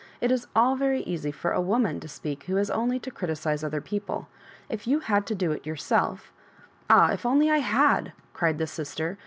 "It is all very easy for a woman to speak who has only to criticise other people. If you had to do it your self "" Ah, if I only had I" cried the sister.